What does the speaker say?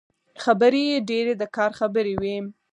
خبرې يې ډېرې د کار خبرې وې.